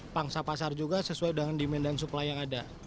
pangsa pasar juga sesuai dengan demand dan supply yang ada